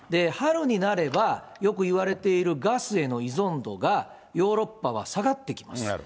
春になれば、よくいわれているガスへの依存度がヨーロッパは下がってきます。